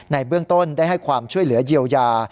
ในเบื้องต้นได้ให้ความช่วยเหลือเยียวยา